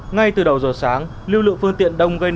ngay từ đầu giờ sáng lưu lượng phương tiện đông gây nổ